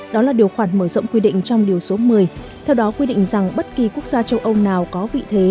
đó là điều khoản mở rộng quy định trong điều số một mươi theo đó quy định rằng bất kỳ quốc gia châu âu nào có vị thế